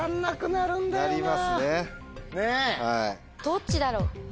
どっちだろう。